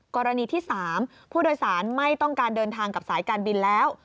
กรณีที่๓ผู้โดยสารไม่ต้องการเดินทางกับสายการบินแล้ว